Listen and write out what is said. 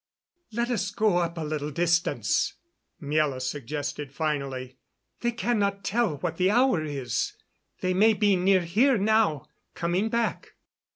"Let us go up a little distance," Miela suggested finally. "They cannot tell what the hour is. They may be near here now, coming back."